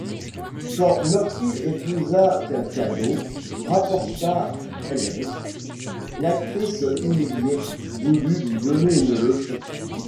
Quand Murphy épousa quelqu’un d’autre, rapporta Ehrlich, l’actrice humiliée voulut lui donner une leçon.